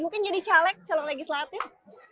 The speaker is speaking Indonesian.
mungkin jadi caleg calon legislatif